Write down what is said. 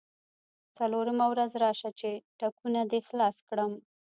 څلورمه ورځ راشه چې ټکونه دې خلاص کړم.